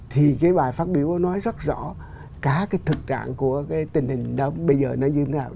thì cái bài phát biểu nói rất rõ cả cái thực trạng của cái tình hình đó bây giờ nó như thế nào